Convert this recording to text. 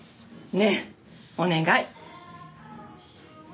ねっお願い。